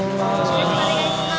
よろしくお願いします。